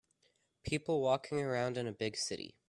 People walking around in a big city.